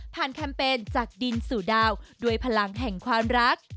แคมเปญจากดินสู่ดาวด้วยพลังแห่งความรัก